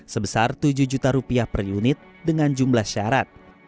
sebesar tujuh juta rupiah per unit dengan jumlah syarat